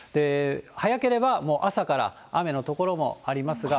早ければ朝から雨の所もありますが。